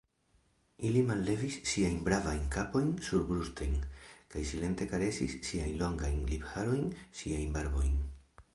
Ili mallevis siajn bravajn kapojn surbrusten kaj silente karesis siajn longajn lipharojn, siajn barbojn.